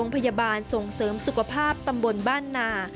พยาบาลส่งเสริมสุขภาพตำบลบ้านนา